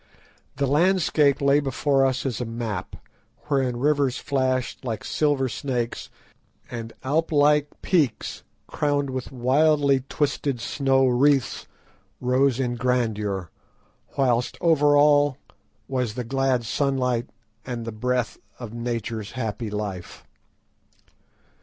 The landscape lay before us as a map, wherein rivers flashed like silver snakes, and Alp like peaks crowned with wildly twisted snow wreaths rose in grandeur, whilst over all was the glad sunlight and the breath of Nature's happy life.